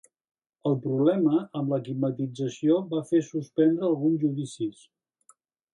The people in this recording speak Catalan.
El problema amb la climatització va fer suspendre alguns judicis